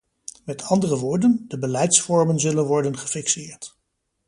Met andere woorden: de beleidsvormen zullen worden gefixeerd.